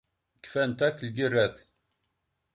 Kfant akk lgirrat.